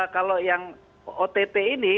kalau yang ott ini